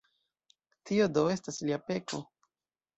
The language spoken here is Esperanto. Tio do estas lia peko.